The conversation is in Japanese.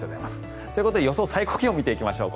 ということで予想最高気温を見ていきましょう。